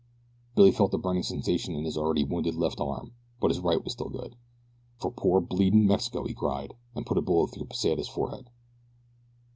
Billy felt a burning sensation in his already wounded left arm; but his right was still good. "For poor, bleeding Mexico!" he cried, and put a bullet through Pesita's forehead.